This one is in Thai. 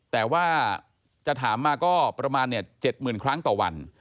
แต่ว่าจะถามมาก็ประมาณ๗๐๐ครั้งต่อวัน